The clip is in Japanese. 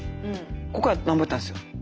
「ここはなんぼやったんですよ」。